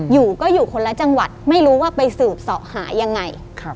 อยู่ก็อยู่คนละจังหวัดไม่รู้ว่าไปสืบเสาะหายังไง